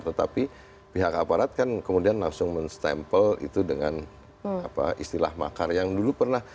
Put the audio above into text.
tetapi pihak aparat kan kemudian langsung men stempel itu dengan istilah makar yang dulu pernah